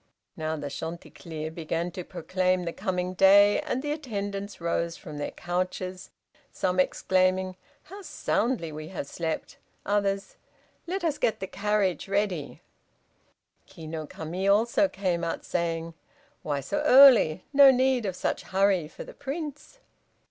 Now the chanticleer began to proclaim the coming day, and the attendants rose from their couches, some exclaiming "How soundly we have slept," others, "Let us get the carriage ready." Ki no Kami also came out saying, "Why so early, no need of such hurry for the Prince."